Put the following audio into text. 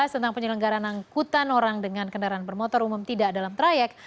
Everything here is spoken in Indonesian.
tentang penyelenggaran angkutan orang dengan kendaraan bermotor umum tidak dalam trayek